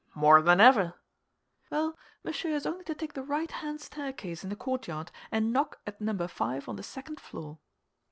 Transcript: "More than ever." "Well, monsieur has only to take the right hand staircase in the courtyard, and knock at Number Five on the second floor."